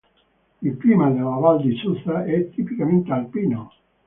Il clima della Val di Susa è tipicamente alpino.